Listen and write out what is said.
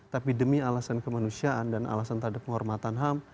tapi demi alasan kemanusiaan dan alasan terhadap penghormatan ham